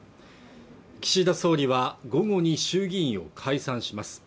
岸田総理は午後に衆議院を解散します